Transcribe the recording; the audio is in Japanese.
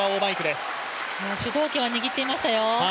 でも主導権は握っていましたよ。